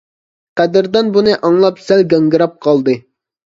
قەدىردان بۇنى ئاڭلاپ سەل گاڭگىراپ قالدى.